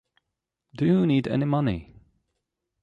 Do you need any money?